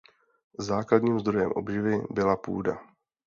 Základním zdrojem obživy byla půda.